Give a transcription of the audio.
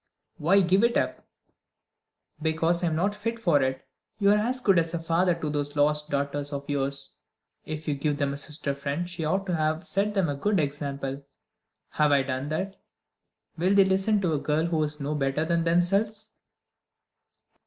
"Why give it up?" "Because I am not fit for it. You are as good as a father to those lost daughters of yours. If you give them a sister friend she ought to have set them a good example. Have I done that? Will they listen to a girl who is no better than themselves?"